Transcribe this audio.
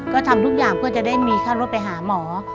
ก็ทำทุกอย่างเพื่อจะได้มีค่ารถไปหาหมอ